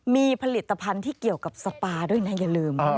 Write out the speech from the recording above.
มีผลิตภัณฑ์ที่เกี่ยวกับสปาด้วยนะอย่าลืม